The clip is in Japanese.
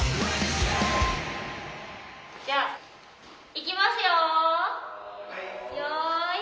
じゃあいきますよ！